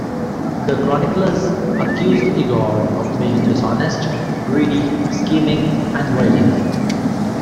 The chroniclers accused Igor of being dishonest, greedy, scheming, and violent.